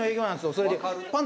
それで。